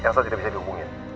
elsa tidak bisa dihubungin